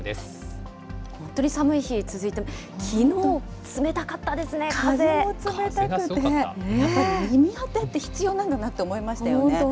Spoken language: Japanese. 本当に寒い日続いて、きのう、風も冷たかったし、やっぱり耳当てって必要なんだなって思いましたよね。